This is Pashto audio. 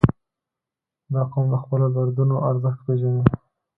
• دا قوم د خپلو دودونو ارزښت پېژني.